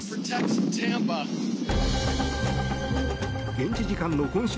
現地時間の今週